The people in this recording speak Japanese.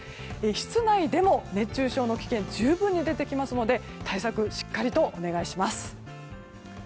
室内でも熱中症の危険が十分出てきますので対策をしっかりとお願いします。